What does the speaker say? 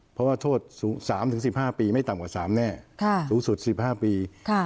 เพราะว่าโทษ๓๑๕ปีไม่ต่ำกว่า๓แน่สูงสุด๑๕ปี